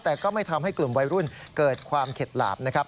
แต่ก็ไม่ทำให้กลุ่มวัยรุ่นเกิดความเข็ดหลาบนะครับ